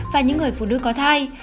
và những người phụ nữ có thai